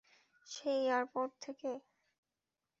সেই এয়ারপোর্ট থেকে?